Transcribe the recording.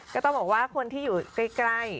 ก็ต้องบอกว่าคนที่อยู่ใกล้